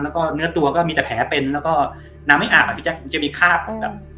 แล้วก็เนื้อตัวก็มีแต่แผลเป็นแล้วก็น้ำไม่อาบอ่ะพี่แจ๊มันจะมีคาบแบบ